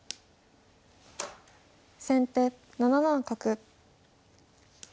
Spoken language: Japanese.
先手７七角。